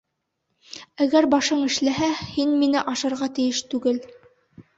Әгәр башың эшләһә, һин мине ашарға тейеш түгел.